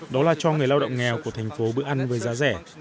đó là cho người lao động nghèo của thành phố bữa ăn với giá rẻ